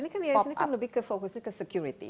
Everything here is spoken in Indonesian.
ini kan is ini kan lebih ke fokusnya ke security